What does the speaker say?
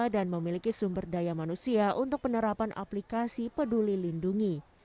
dan memiliki sumber daya manusia untuk penerapan aplikasi peduli lindungi